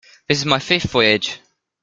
This is my fifth voyage.